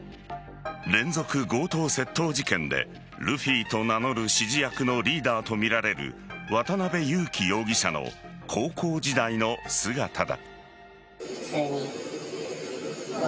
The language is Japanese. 連続強盗窃盗事件でルフィと名乗る指示役のリーダーとみられる渡辺優樹容疑者の高校時代の姿だ。